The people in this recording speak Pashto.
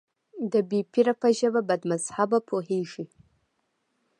د بې پيره په ژبه بدمذهبه پوهېږي.